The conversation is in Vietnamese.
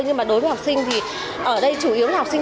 nhưng mà đối với học sinh thì ở đây chủ yếu là học sinh